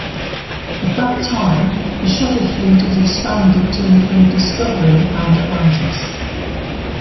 At that time the shuttle fleet was expanded to include "Discovery" and "Atlantis".